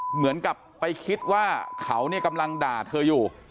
เหมือนกับไปคิดว่าเขาเนี่ยกำลังด่าเธออยู่